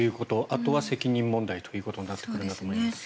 あとは責任問題ということになってくるんだと思います。